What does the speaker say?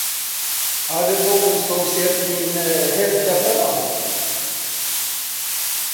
Är det någon som sett min häftapparat?